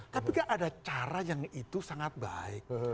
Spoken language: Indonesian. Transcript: tapi kan ada cara yang itu sangat baik